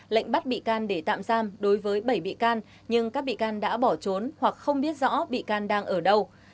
lệnh bắt bị can để tạm giam đối với bảy bị can nhưng các bị can đã bỏ trốn hoặc không biết rõ bị can đang ở đâu